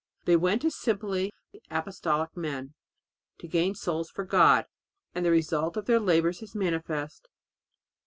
They went as simply apostolic men to gain souls to God and the result of their labours is manifest.